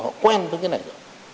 họ quen với cái này rồi